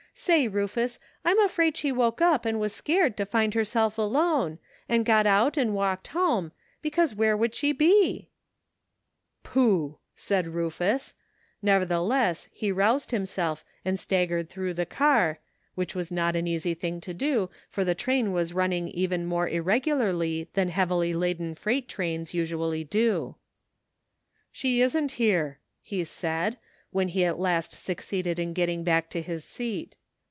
Say, Rufus, I'm afraid she woke up and was scared to find herself alone, and got out and walked home, because where would she be r "" Pooh !" said Rufus, nevertheless he roused himself and staggered through the car, which was not an easy thing to do, for the train was running even more irregularly than heavily laden freight trains usually do. "She isn't here," he said, when he at last succeeded in getting back to his seat.